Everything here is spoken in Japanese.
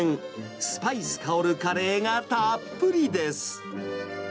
スパイス香るカレーがたっぷりです。